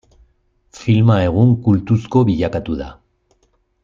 Filma egun kultuzko bilakatu da.